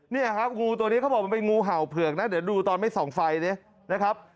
เนี่ยครับงูตัวนี้เขาบอกมันเป็นงูเห่าเผือกนะเดี๋ยวดูตอนไม่ส่องไฟดินะครับ